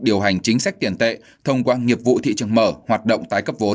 điều hành chính sách tiền tệ thông qua nghiệp vụ thị trường mở hoạt động tái cấp vốn